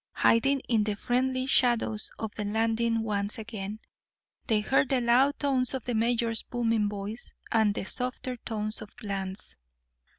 Hiding in the friendly shadows of the landing once again, they heard the loud tones of the mayor's booming voice, and the softer tones of Bland's.